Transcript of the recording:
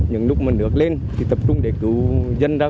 những lúc mà nước lên thì tập trung để cứu dân ra